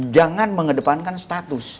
jangan mengedepankan status